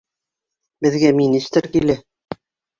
Беҙгә министр килә!